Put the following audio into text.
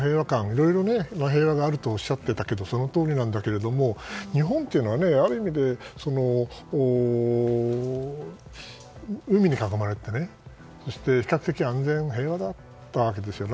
いろいろな平和があるとおっしゃっていたけれどそのとおりなんだけれども日本っていうのは、ある意味で海に囲まれていてね比較的安全で平和だったわけですよね。